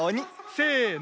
せの。